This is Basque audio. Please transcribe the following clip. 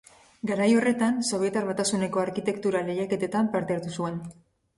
Garai horretan, Sobietar Batasuneko arkitektura-lehiaketetan parte hartu zuen.